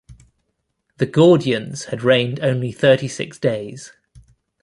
The Gordians had reigned only thirty-six days.